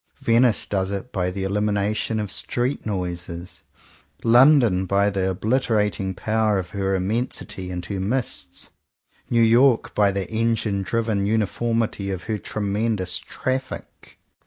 Venice does it by the elimination of street noises; London by the obliterating power of her immensity and her mists; New York by the engine driven uniformity of her tremendous traffic.